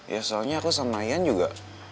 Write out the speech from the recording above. ya soalnya aku sama ian juga